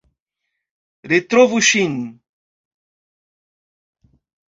Retrovu ŝin!